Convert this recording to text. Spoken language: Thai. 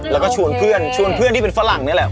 แล้วก็ชวนเพื่อนชวนเพื่อนที่เป็นฝรั่งนี่แหละ